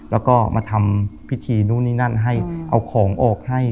แล้วก็มาทำพิธีนู่นนี่นั่นให้เอาของออกให้